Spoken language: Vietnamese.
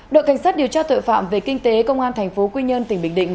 đội cảnh sát điều tra tội phạm về kinh tế công an tp quy nhơn tỉnh bình định